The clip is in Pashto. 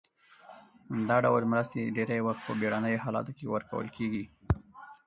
دا ډول مرستې ډیری وخت په بیړنیو حالاتو کې ورکول کیږي.